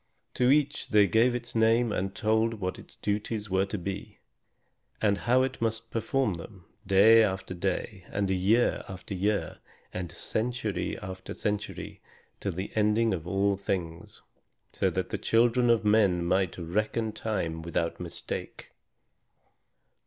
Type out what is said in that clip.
To each they gave its name and told what its duties were to be, and how it must perform them, day after day, and year after year, and century after century, till the ending of all things; so that the children of men might reckon time without mistake.